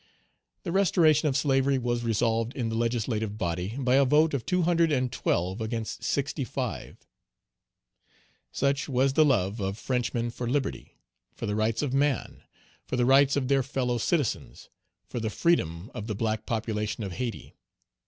The restoration of slavery was resolved in the legislative body by a vote of two hundred and twelve against sixty five. Such was the love of Frenchmen for liberty, for the rights of man, for the rights of their fellow citizens, for the freedom of the black population of Hayti.